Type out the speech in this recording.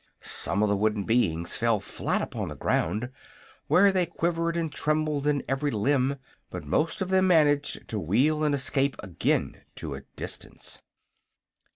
Some of the wooden beings fell flat upon the ground, where they quivered and trembled in every limb; but most of them managed to wheel and escape again to a distance.